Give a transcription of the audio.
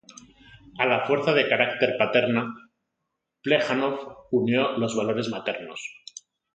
A la fuerza de carácter paterna, Plejánov unió los valores maternos.